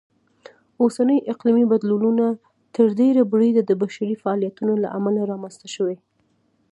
اوسني اقلیمي بدلونونه تر ډېره بریده د بشري فعالیتونو لهامله رامنځته شوي.